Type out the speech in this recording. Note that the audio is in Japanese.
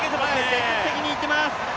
積極的にいってます！